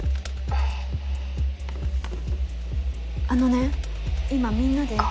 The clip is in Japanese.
あのね今みんなで。